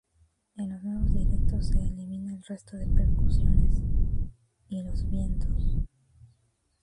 En los nuevos directos se elimina el resto de percusiones y los vientos.